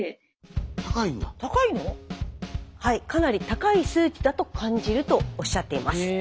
はいかなり高い数値だと感じるとおっしゃっています。